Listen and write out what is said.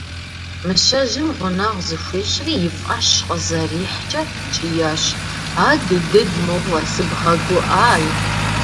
Мыщэжьым гъунэгъу зыхуищӏри и фӏэщ къызэрихькӏэ кӏиящ: «Адыдыд мыгъуэ сыбгъэгуӏай».